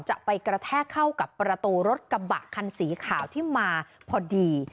จะไปกระแทกเข้ากับประตูรถกระบะคันสีขาวที่มาพอดี